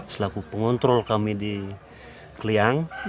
selaku pengontrol kami di kliang